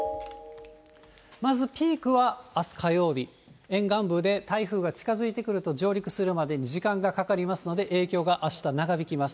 まずピークはあす火曜日、沿岸部で台風が近づいてくると、上陸するまでに時間がかかりますので、影響があした、長引きます。